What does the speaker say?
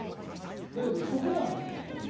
だけど、そこなんですよね。